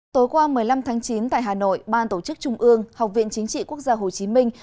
tối qua một mươi năm tháng chín tại hà nội ban tổ chức trung ương học viện chính trị quốc gia hồ chí minh